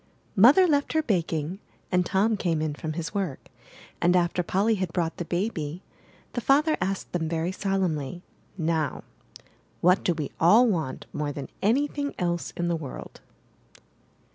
Mother left her baking, and Tom came in from his work; and after Polly had brought the baby, the father asked them very solemnly: ''Now, what do we all want more than anything else in the world?'